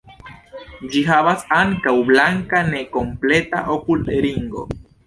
Ĝi havas ankaŭ blanka nekompleta okulringo.